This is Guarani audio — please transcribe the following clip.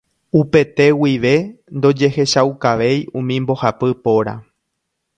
Upete guive ndojehechaukavéi umi mbohapy póra.